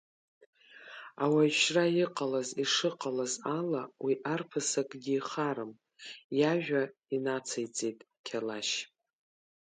Ауаҩшьра иҟалаз шыҟалаз ала уи арԥыс акгьы ихарам, иажәа инациҵеит Қьалашь.